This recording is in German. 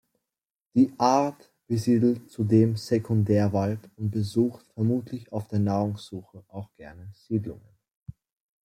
Die Art besiedelt zudem Sekundärwald und besucht vermutlich auf der Nahrungssuche auch gerne Siedlungen.